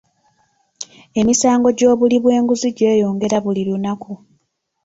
Emisango gy'obuli bw'enguzi gyeyongera buli lunaku.